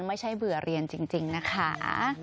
เบื่อเรียนจริงนะคะ